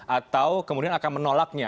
atau kemudian akan menolaknya